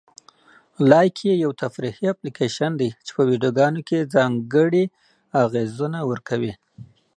لایکي یو تفریحي اپلیکیشن دی چې په ویډیوګانو کې ځانګړي اغېزونه ورکوي.